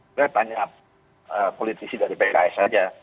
saya tanya politisi dari pks saja